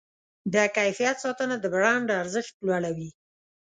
د کیفیت ساتنه د برانډ ارزښت لوړوي.